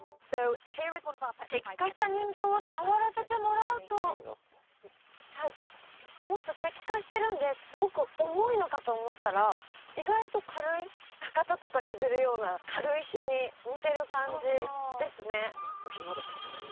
石化した人形を触らせてもらうともっと石化してるんですごく重いのかと思ったら意外と軽いかかととか削るような軽石に似てる感じですね